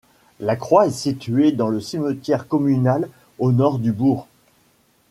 La croix est située dans le cimetière communal, au nord du bourg.